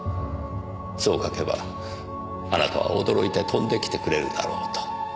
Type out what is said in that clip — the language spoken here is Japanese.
そう書けばあなたは驚いて飛んできてくれるだろうと。